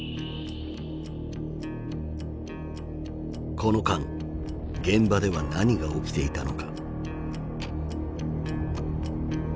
この間現場では何が起きていたのか。